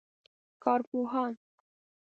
کارپوهان